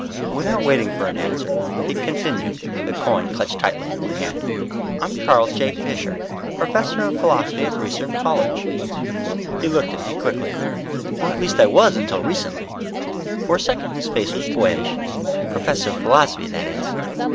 Without waiting for an answer, he continued, the coin clutched tightly in one hand. "I'm Charles J. Fisher, professor of Philosophy at Reiser College." He looked at me quickly. "Or at least I was until recently." For a second his face was boyish. "Professor of Philosophy, that is."